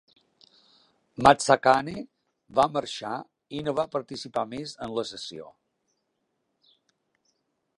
Mazzacane va marxar i no va participar més en la sessió.